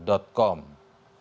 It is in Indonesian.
ini kami kutip dari lamandetik com